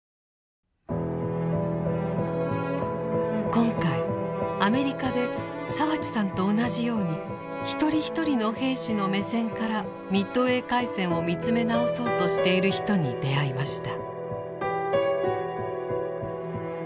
今回アメリカで澤地さんと同じように一人一人の兵士の目線からミッドウェー海戦を見つめ直そうとしている人に出会いました。